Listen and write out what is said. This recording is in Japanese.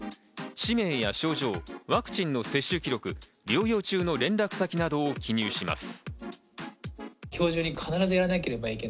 氏名や症状、ワクチンの接種記録、療養中の連絡先などを記入します。